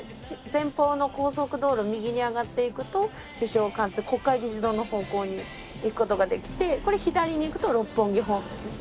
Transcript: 前方の高速道路右に上がって行くと首相官邸国会議事堂の方向に行く事ができてこれ左に行くと六本木方面です。